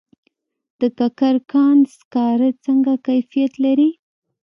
د کرکر کان سکاره څنګه کیفیت لري؟